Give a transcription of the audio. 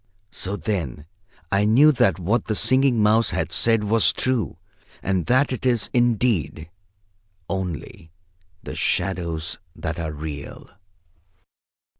So then I knew that what the Singing Mouse had said was true, and that it is, indeed, only the shadows that are real.